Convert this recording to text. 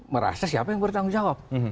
merasa siapa yang bertanggung jawab